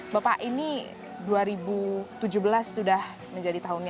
bapak ini dua ribu tujuh belas sudah menjadi tahunnya